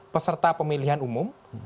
peserta pemilihan umum